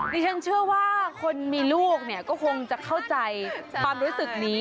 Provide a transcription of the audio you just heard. ดิฉันเชื่อว่าคนมีลูกเนี่ยก็คงจะเข้าใจความรู้สึกนี้